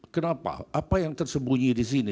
kenapa apa yang tersembunyi di sini